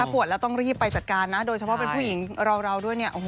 ปวดแล้วต้องรีบไปจัดการนะโดยเฉพาะเป็นผู้หญิงเราด้วยเนี่ย